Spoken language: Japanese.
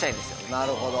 なるほど。